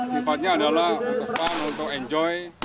nifatnya adalah untuk fun untuk enjoy